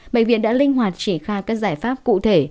bệnh viện đã linh hoạt triển khai các giải pháp cụ thể